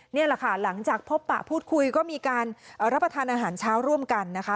นี่แหละค่ะหลังจากพบปะพูดคุยก็มีการรับประทานอาหารเช้าร่วมกันนะคะ